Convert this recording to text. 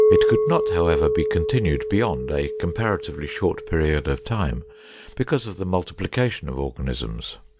It could not, however, be continued beyond a comparatively short period of time, because of the multiplication of organisms.